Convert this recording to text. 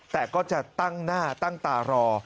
แต่ก็จะตั้งหน้าตั้งตารอ